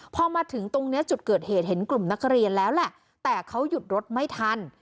พอมาถึงตรงเนี้ยจุดเกิดเหตุเห็นกลุ่มนักเรียนแล้วแหละแต่เขาหยุดรถไม่ทัน